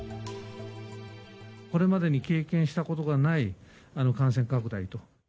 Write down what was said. これまでに経験したことがない感染拡大と。